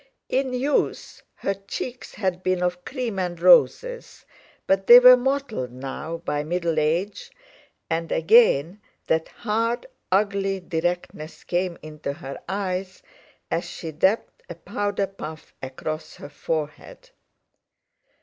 In youth her cheeks had been of cream and roses, but they were mottled now by middle age, and again that hard, ugly directness came into her eyes as she dabbed a powder puff across her forehead.